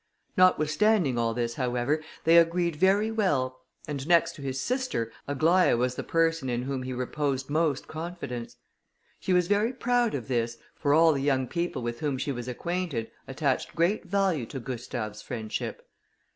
Notwithstanding all this, however, they agreed very well, and, next to his sister, Aglaïa was the person in whom he reposed most confidence. She was very proud of this, for all the young people with whom she was acquainted, attached great value to Gustave's friendship.